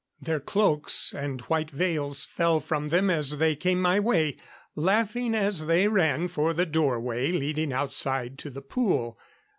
Their cloaks and white veils fell from them as they came my way laughing as they ran for the doorway leading outside to the pool.